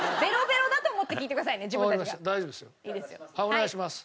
お願いします。